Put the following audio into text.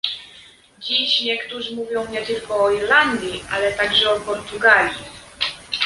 Dziś niektórzy mówią nie tylko o Irlandii, ale także o Portugalii